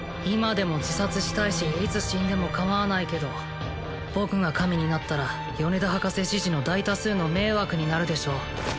今でも自殺したいしいつ死んでもかまわないけど僕が神になったら米田博士支持の大多数の迷惑になるでしょ